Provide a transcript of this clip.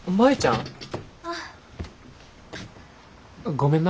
ごめんな。